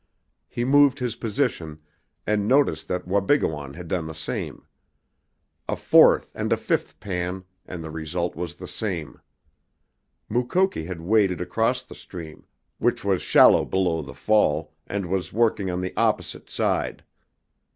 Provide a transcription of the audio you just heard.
He moved his position, and noticed that Wabigoon had done the same. A fourth and a fifth pan and the result was the same. Mukoki had waded across the stream, which was shallow below the fall, and was working on the opposite side.